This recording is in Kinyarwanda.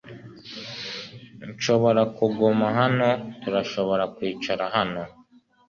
Nshobora kuguma hano? Turashobora kwicara hano?